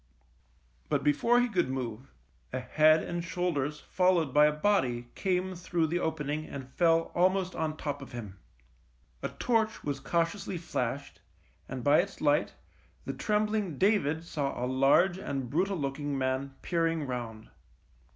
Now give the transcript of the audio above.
But before he could move, a head and shoulders followed by a body came through the opening and fell almost on top of him. A torch was cautiously flashed, and by its light the trembling David saw a large and brutal looking man peering round.